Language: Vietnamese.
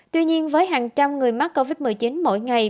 tuy nhiên với hàng trăm người mắc covid một mươi chín mỗi ngày